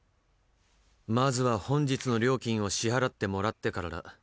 まずは本日の料金を支払ってもらってからだ。